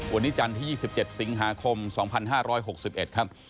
วันนี้จันทร์ที่๒๗สิงหาคม๒๕๖๑ครับ